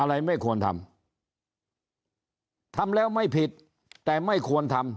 อะไรไม่ควรทำทำแล้วไม่ผิดแต่ไม่ควรทำ